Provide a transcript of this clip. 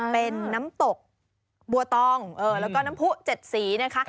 เป็นน้ำตกบัวตองแล้วก็น้ำผู้๗สีนะคะ